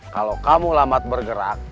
kalau kamu lambat bergerak